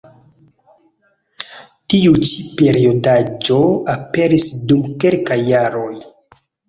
Tiu ĉi periodaĵo aperis dum kelkaj jaroj.